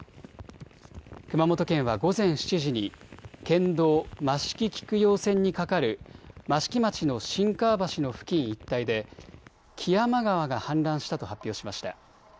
熊本県は午前７時に県道益城菊陽線に架かる益城町の新川橋の付近一帯で木山川が氾濫したと発表しました。